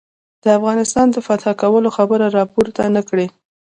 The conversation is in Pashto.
د افغانستان د فتح کولو خبره را پورته نه کړي.